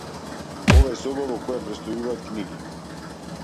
Ова е соба во која престојуваат книги.